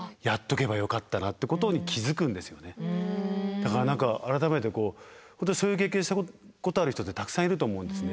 だから何か改めて本当にそういう経験したことある人ってたくさんいると思うんですね。